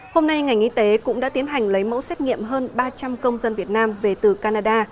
hôm nay ngành y tế cũng đã tiến hành lấy mẫu xét nghiệm hơn ba trăm linh công dân việt nam về từ canada